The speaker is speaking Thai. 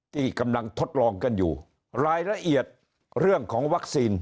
ที่กำลังทดลองกันอยู่รายละเอียดเรื่องของวัคซีน